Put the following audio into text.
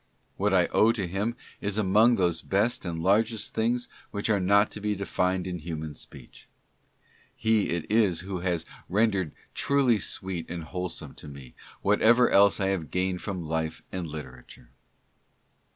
What I owe to him is among those best and largest things which are not to be defined in human speech. He it is who has rendered truly sweet and wholesome to me whatever else I have gained from life and literature.